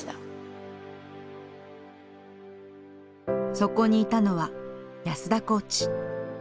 そこにいたのは安田コーチ。